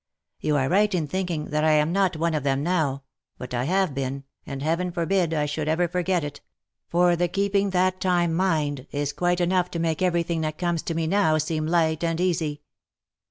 You are right in thinking that I am not one of them now ; but I have been, and Heaven forbid I should ever forget it ! for the keeping that time mind, is quite enough to make every thing that comes to me now seem light and easy."